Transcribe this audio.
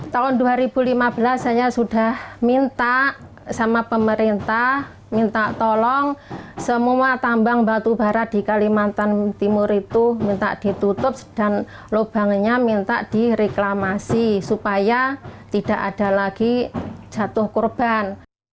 tahun dua ribu lima belas saya sudah minta sama pemerintah minta tolong semua tambang batubara di kalimantan timur itu minta ditutup dan lubangnya minta direklamasi supaya tidak ada lagi jatuh korban